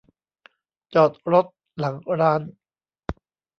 จอดรถหลังร้าน